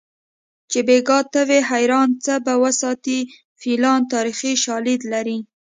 چې بیګا ته وي حیران څه به وساتي فیلان تاریخي شالید لري